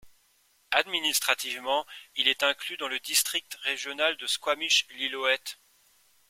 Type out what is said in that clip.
Administrativement, il est inclus dans le district régional de Squamish-Lillooet.